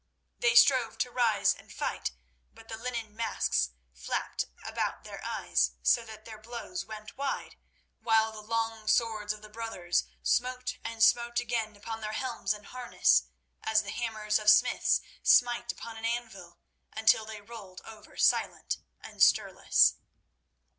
They strove to rise and fight, but the linen masks flapped about their eyes, so that their blows went wide, while the long swords of the brothers smote and smote again upon their helms and harness as the hammers of smiths smite upon an anvil, until they rolled over silent and stirless.